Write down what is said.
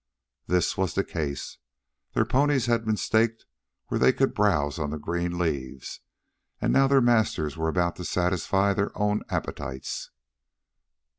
This was the case. The ponies had been staked where they could browse on the green leaves, and now their masters were about to satisfy their own appetites.